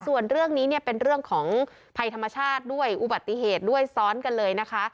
ส่วนเรื่องนี้เนี่ยเป็นเรื่องของภัยธรรมชาติด้วยอุบัติเหตุด้วยซ้อนกันเลยนะคะ